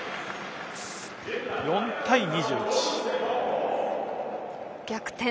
２４対２１。